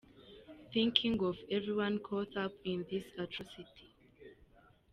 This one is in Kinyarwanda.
Thinking of everyone caught up in this atrocity.